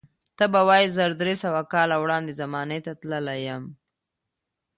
ته به وایې زر درې سوه کاله وړاندې زمانې ته تللی یم.